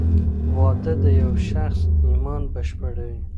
واده د یو شخص ایمان بشپړوې.